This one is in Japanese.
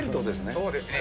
そうですね。